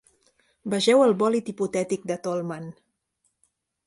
Vegeu el bòlid hipotètic de Tollmann.